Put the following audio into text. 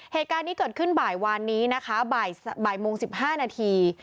เหตุการณ์นี้เกิดขึ้นบ่ายวานนี้นะคะบ่ายโมง๑๕นาที